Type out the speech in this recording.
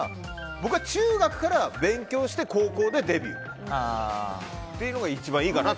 僕は、中学から勉強して高校でデビューが一番いいかなと。